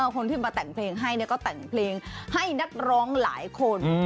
คนที่มาแต่งเพลงให้ก็แต่งเพลงให้นักร้องหลายคน